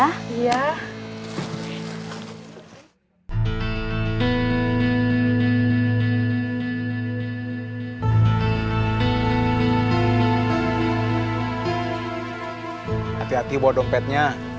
hati hati bawa dompetnya